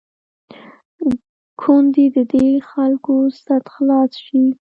کوندي د دې خلکو سد خلاص شي.